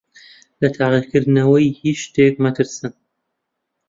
لە تاقیکردنەوەی هیچ شتێک مەترسن.